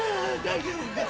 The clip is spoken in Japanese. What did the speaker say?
大丈夫か？